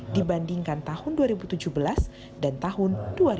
dibandingkan tahun dua ribu tujuh belas dan tahun dua ribu delapan belas